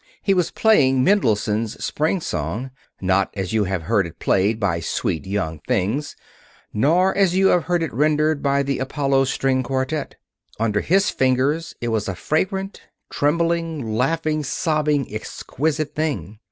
He was playing Mendelssohn's Spring Song. Not as you have heard it played by sweet young things; not as you have heard it rendered by the Apollo String Quartette. Under his fingers it was a fragrant, trembling, laughing, sobbing, exquisite thing.